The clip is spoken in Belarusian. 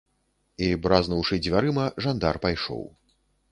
І, бразнуўшы дзвярыма, жандар пайшоў.